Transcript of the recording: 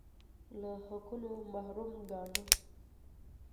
له حقونو محروم ګاڼه